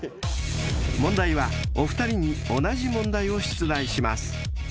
［問題はお二人に同じ問題を出題します］